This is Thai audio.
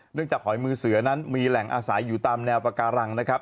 จากหอยมือเสือนั้นมีแหล่งอาศัยอยู่ตามแนวปาการังนะครับ